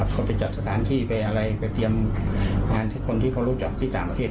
เขาไปจัดสถานที่ไปอะไรไปเตรียมงานที่คนที่เขารู้จักที่ต่างประเทศ